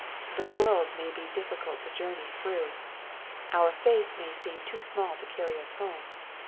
The world may be difficult to journey through. Our faith may seem too small to carry us home.